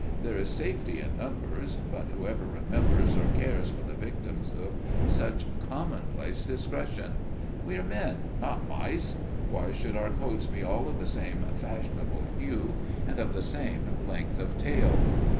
There is safety in numbers, but who ever remembers or cares for the victims of such commonplace discretion? We are men, not mice; why should our coats be all of the same fashionable hue and of the same length of tail?